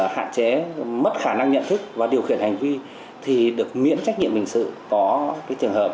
hạn chế mất khả năng nhận thức và điều khiển hành vi thì được miễn trách nhiệm hình sự có trường hợp